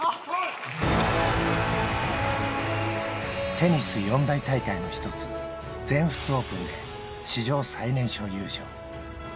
テニス四大大会の一つ、全仏オープンで、史上最年少優勝。